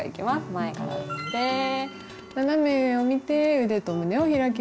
前からいって斜め上を見て腕と胸を開きます。